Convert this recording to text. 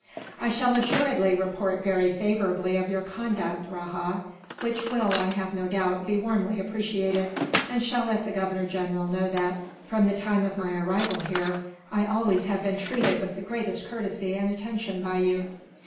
"I shall assuredly report very favourably of your conduct, Rajah which will, I have no doubt, be warmly appreciated and shall let the Governor General know that, from the time of my arrival here, I always have been treated with the greatest courtesy and attention by you."